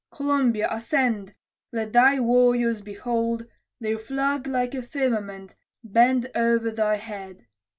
Columbia, ascend! Let thy warriors behold Their flag like a firmament bend o'er thy head.